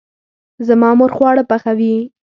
زما مور خواړه پخوي